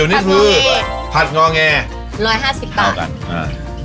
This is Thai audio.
นี่คือผัดงอแงร้อยห้าสิบบาทต่อกันอ่า